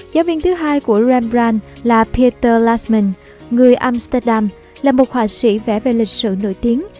giáo viên thứ hai của rembrandt là peter lassmann người amsterdam là một họa sĩ vẽ về lịch sử nổi tiếng